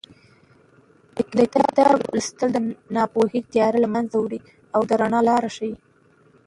د کتاب لوستل د ناپوهۍ تیارې له منځه وړي او د رڼا لار ښیي.